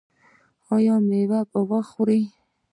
ایا میوه به خورئ؟